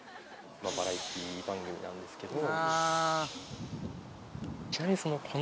バラエティー番組なんですけど。